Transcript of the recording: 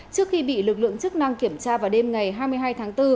trước khi bị lực lượng chức năng kiểm tra vào đêm ngày hai mươi hai tháng bốn